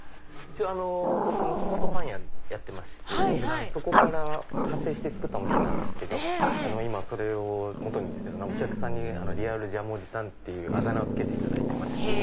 僕元々パン屋やってましてそこから派生してつくったお店になるんですけどそれをもとにお客さんにリアルジャムおじさんっていうあだ名を付けていただいてまして。